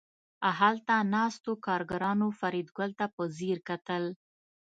هلته ناستو کارګرانو فریدګل ته په ځیر کتل